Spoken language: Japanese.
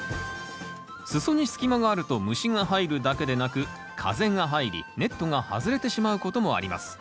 裾に隙間があると虫が入るだけでなく風が入りネットが外れてしまうこともあります。